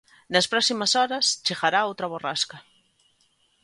Nas próximas horas chegará outra borrasca.